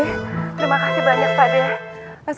terima kasih banyak pade